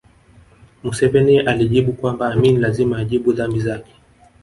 Museveni alijibu kwamba Amin lazima ajibu dhambi zake